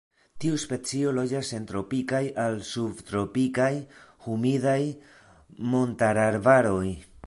Tiu specio loĝas en tropikaj al subtropikaj, humidaj montararbaroj.